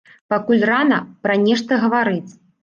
Пакуль рана пра нешта гаварыць.